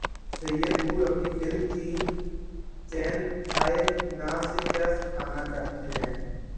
سید نور اپنی فلم چین ائے نہ سے کیا سکھانا چاہتے ہیں